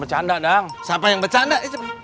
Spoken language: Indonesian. bercanda dong siapa yang bercanda